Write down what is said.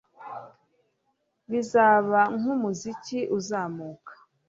Bizaba nkumuziki uzamuka